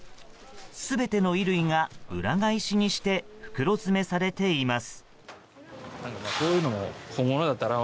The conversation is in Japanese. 全ての衣類が裏返しにして袋詰めされています。